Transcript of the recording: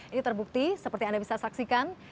ini terbukti seperti anda bisa saksikan